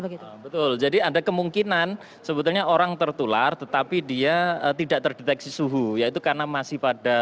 betul jadi ada kemungkinan sebetulnya orang tertular tetapi dia tidak terdeteksi